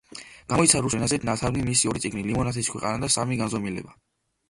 გამოიცა რუსულ ენაზე ნათარგმნი მისი ორი წიგნი „ლიმონათის ქვეყანა“ და „სამი განზომილება“.